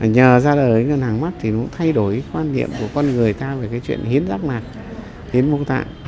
nhờ ra đời ngân hàng mắt thì nó thay đổi quan niệm của con người ta về cái chuyện hiến rác mạc hiến mô tạng